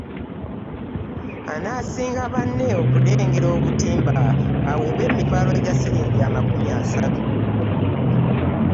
Anaasinga banne okulengera obutimba aweebwe emitwalo gya siringi amakumi asatu